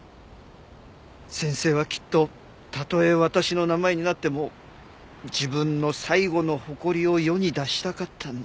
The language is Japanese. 先生はきっとたとえ私の名前になっても自分の最後の誇りを世に出したかったんだ。